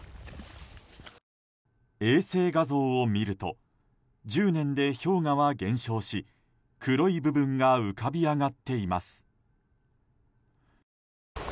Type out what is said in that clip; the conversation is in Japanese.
衛星画像を見ると１０年で氷河は減少し黒い部分が浮かび上がっています。